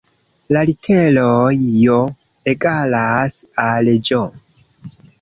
La literoj J egalas al Ĝ